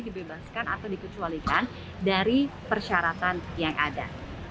dibebaskan atau dikecualikan dari persyaratan yang ada